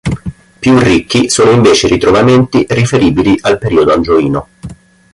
Più ricchi sono invece i ritrovamenti riferibili al periodo angioino.